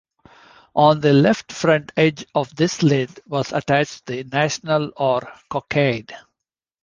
On the left front edge of this lid was attached the National or cockade.